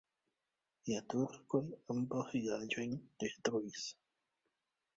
La turkoj ambaŭ vilaĝojn detruis.